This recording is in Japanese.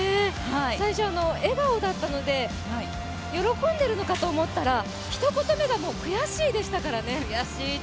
最初笑顔だったので喜んでるのかと思ったら、一言目が悔しいでしたからね。